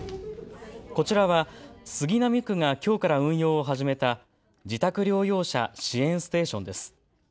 こちらは杉並区がきょうから運用を始めた自宅療養者支援ステーションです。